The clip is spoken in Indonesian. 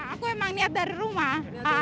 aku emang niat dari rumah